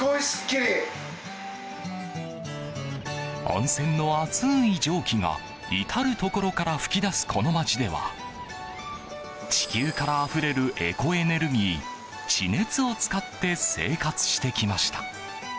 温泉の熱い蒸気が至るところから噴き出す、この町では地球からあふれるエコエネルギー、地熱を使って生活してきました。